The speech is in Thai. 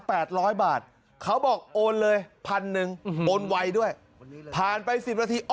ร้อยบาทเขาบอกโอนเลยพันหนึ่งอืมโอนไวด้วยผ่านไปสิบนาทีอ๋